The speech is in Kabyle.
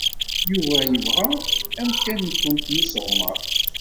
Yuba yebɣa amkan-nwent n usseɣmer.